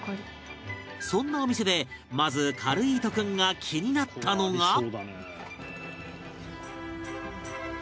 そんなお店でまずかるぃーと君が気になったのが